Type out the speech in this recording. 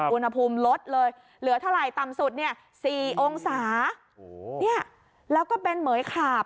อุณหภูมิลดเลยเหลือเท่าไหร่ต่ำสุดเนี่ย๔องศาเนี่ยแล้วก็เป็นเหมือยขาบ